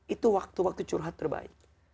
itu waktu waktu curhat terbaik